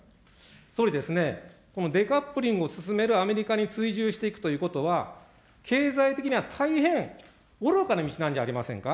総理ですね、このデカップリングを進めるアメリカに追従していくということは、経済的には大変愚かな道なんじゃありませんか。